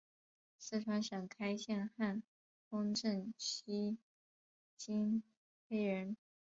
四川省开县汉丰镇西津坝人。